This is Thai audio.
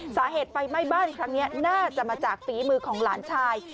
สาเหตุไฟไหม้บ้านครั้งนี้น่าจะมาจากฝีมือของหลานชาย